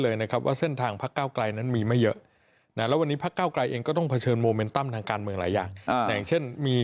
แล้วคุณเสร็จหาก็ได้สิทธิ์